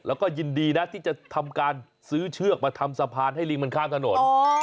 แล้วก็ยินดีนะที่จะทำการซื้อเชือกมาทำสะพานให้ลิงมันข้ามถนน